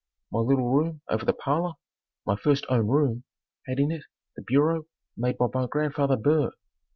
My little room over the parlor my first own room had in it the bureau made by my grandfather Burr.